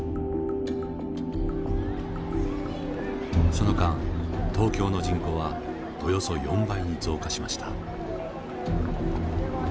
その間東京の人口はおよそ４倍に増加しました。